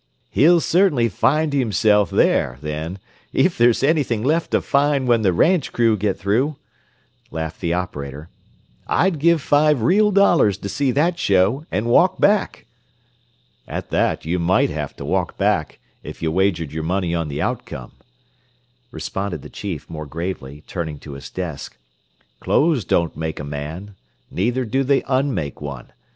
"He'll certainly 'find himself' there, then if there's anything left to find when the ranch crew get through," laughed the operator. "I'd give five real dollars to see that show, and walk back." "At that, you might have to walk back, if you wagered your money on the outcome," responded the chief more gravely, turning to his desk. "Clothes don't make a man neither do they un make one.